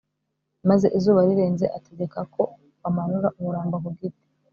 maze izuba rirenze ategeka ko bamanura umurambo ku giti